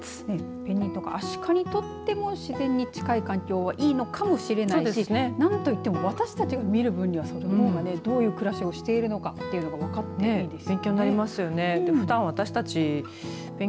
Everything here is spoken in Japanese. ペンギンとかアシカにとっても自然に近い環境はいいのかもしれないし何といっても私たちが見る分にはそれの方がどういう暮らしをしているのかというのが分かっていいですよね。